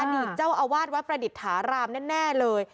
อดีตเจ้าอาวาสวัดประดิษฐารามแน่เลย